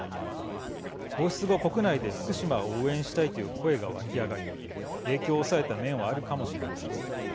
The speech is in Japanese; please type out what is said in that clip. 放出後、国内で福島を応援したいという声が沸き上がり影響を抑えた面はあるかもしれません。